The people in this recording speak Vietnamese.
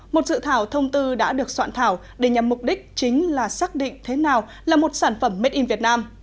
một dự thảo thông tư đã được soạn thảo để nhằm mục đích chính là xác định thế nào là một sản phẩm made in vietnam